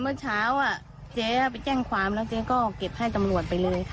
เมื่อเช้าเจ๊ไปแจ้งความแล้วเจ๊ก็เก็บให้ตำรวจไปเลยค่ะ